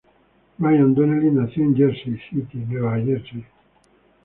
Brian Donnelly nació en Jersey City, Nueva Jersey.